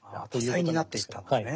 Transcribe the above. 多彩になっていったんですね。